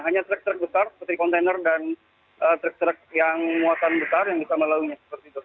hanya truk truk besar seperti kontainer dan truk truk yang muatan besar yang bisa melaluinya seperti itu